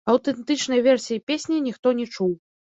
Аўтэнтычнай версіі песні ніхто не чуў.